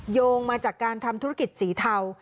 โยงมาจากการทำธุรกิจสีเทา